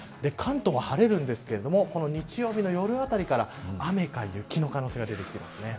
関東も晴れるんですが日曜日の夜辺りから雨か雪の可能性が出てきます。